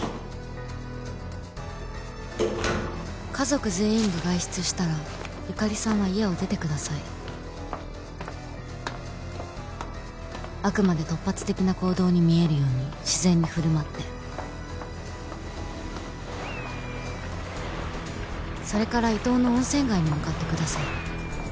家族全員が外出したら由香里さんは家を出あくまで突発的な行動に見えるように自然に振る舞ってそれから伊東の温泉街に向かってくだ